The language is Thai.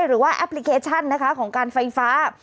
หรือว่าแอปพลิเคชันนะคะของการไฟฟ้า